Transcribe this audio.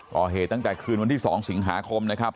ก่อเหตุตั้งแต่คืนวันที่๒สิงหาคมนะครับ